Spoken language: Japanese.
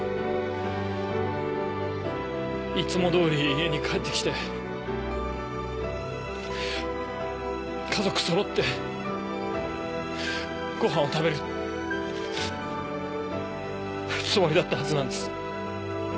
いつも通り家に帰って来て家族そろってごはんを食べるつもりだったはずなんです。